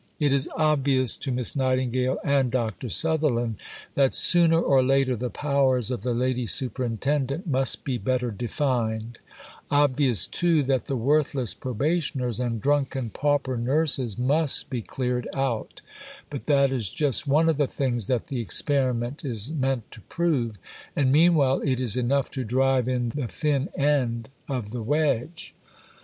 It is obvious to Miss Nightingale and Dr. Sutherland that sooner or later the powers of the Lady Superintendent must be better defined; obvious, too, that the worthless probationers and drunken pauper "nurses" must be cleared out; but that is just one of the things that the experiment is meant to prove, and meanwhile it is enough to drive in the thin end of the wedge.